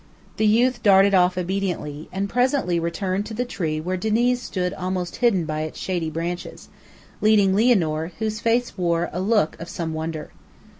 The youth darted off obediently, and presently returned to the tree where Diniz stood almost hidden by its shady branches, leading Lianor, whose face wore a look of some wonder.